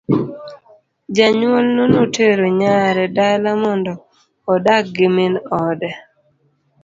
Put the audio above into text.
Janyuolno notero nyare dala mondo odag gi min ode.